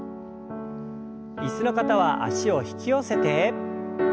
椅子の方は脚を引き寄せて。